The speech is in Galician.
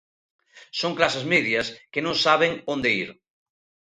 Son clases medias que non saben onde ir.